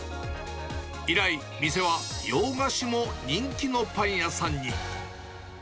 以来、店は洋菓子も人気のパン屋さんに。